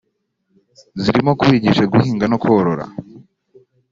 zirimo kubigisha guhinga no korora